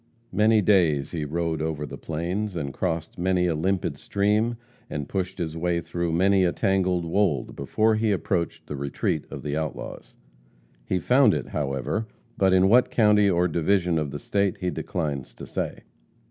Many days he rode over the plains, and crossed many a limpid stream, and pushed his way through many a tangled wold before he approached the retreat of the outlaws. He found it, however, but in what county or division of the state, he declines to say.